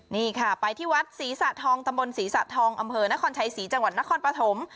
นี่ค่ะไปที่วัดศรีสะทองตำบลศรีสะทองอำเภอนครชัยศรีจังหวัดนครปฐม